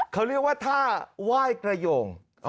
เขาเรียกว่าท่าไหว้กระโยง